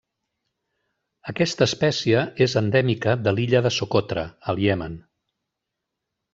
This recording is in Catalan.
Aquesta espècie és endèmica de l'illa de Socotra, al Iemen.